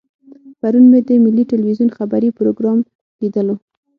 پرون مې د ملي ټلویزیون خبري پروګرام لیدلو.